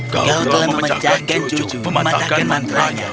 kau telah memecahkan jujur mematahkan mantra nya